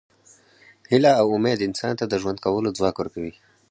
هیله او امید انسان ته د ژوند کولو ځواک ورکوي.